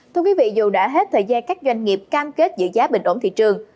thưa quý vị dù đã hết thời gian các doanh nghiệp cam kết giữ giá bình ổn thị trường